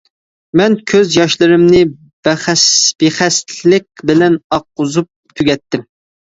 مەن كۆز ياشلىرىمنى بىخەستەلىك بىلەن ئاققۇزۇپ تۈگەتتىم.